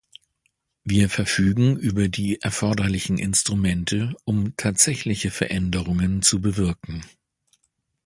Wir verfügen über die erforderlichen Instrumente, um tatsächliche Veränderungen zu bewirken.